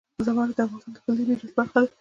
زمرد د افغانستان د کلتوري میراث برخه ده.